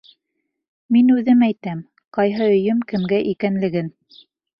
Мин үҙем әйтәм, ҡайһы өйөм кемгә икәнлеген.